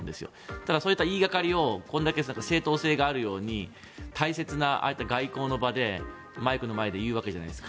ただ、そういった言いがかりをこれだけ正当性があるかのように大切な外交の場で、マイクの前で言うわけじゃないですか。